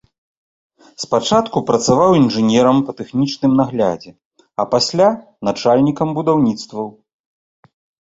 Спачатку працаваў інжынерам па тэхнічным наглядзе, а пасля начальнікам будаўніцтваў.